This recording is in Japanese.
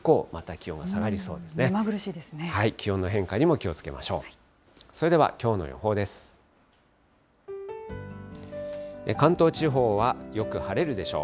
気温の変化にも気をつけましょう。